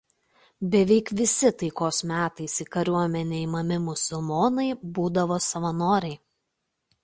Beveik visi taikos metais į kariuomenę imami musulmonai būdavo savanoriai.